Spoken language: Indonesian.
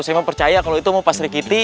saya emang percaya kalo itu mau pak sri kiti